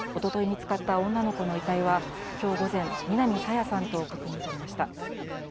見つかった女の子の遺体は、きょう午前、南朝芽さんと確認されました。